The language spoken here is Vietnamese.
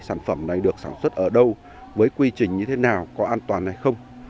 sản phẩm này được sản xuất ở đâu với quy trình như thế nào có an toàn hay không